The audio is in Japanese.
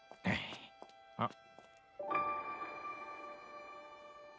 あっ。